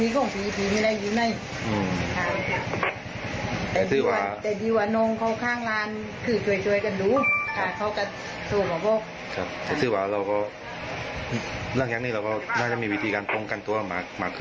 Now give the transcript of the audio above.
ก็เลยแจ้งตำรวจนะฮะ